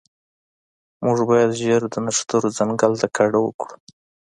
موږ باید ژر د نښترو ځنګل ته کډه وکړو